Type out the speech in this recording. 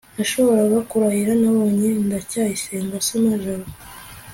nashoboraga kurahira nabonye ndacyayisenga asoma jabo